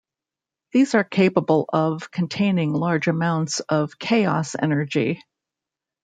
These are capable of containing large amounts of chaos energy.